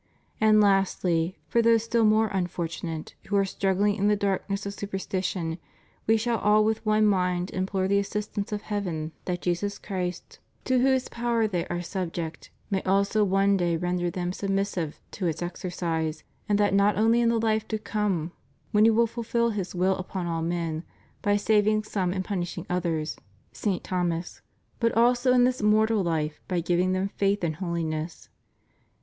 And lastly, for those still more unfortunate, who are struggling in the darkness of superstition, we shall all with one mind implore the assistance of heaven that Jesus Christ, to whose power CONSECRATION TO THE SACRED HEART OF JESUS. 459 they are subject, may also one day render them submissive to its exercise ; and that not only in the life to come, when He will fulfil His will upon all men, by saving some and punishing others (St. Thomas), but also in this mortal life by giving them faith and holiness.